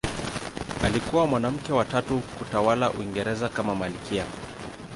Alikuwa mwanamke wa tatu kutawala Uingereza kama malkia.